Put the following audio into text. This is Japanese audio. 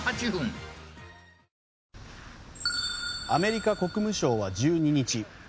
アメリカ国務省は１２日